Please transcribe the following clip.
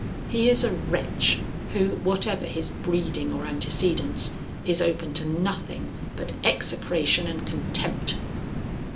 He is a wretch, who, whatever his breeding or antecedents, is open to nothing but execration and contempt."